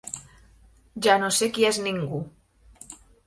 Ja no sé qui és ningú!